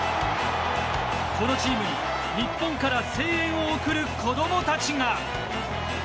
このチームに日本から声援を送る子どもたちが。